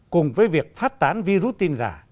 cùng với việc phát tán virus tin giả